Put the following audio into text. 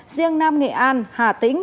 riêng nam nghệ an hà tĩnh